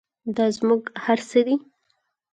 دا زموږ هر څه دی؟